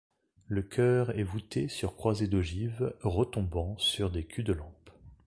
Le chœur est voûté sur croisées d'ogives retombant sur des culs de lampe.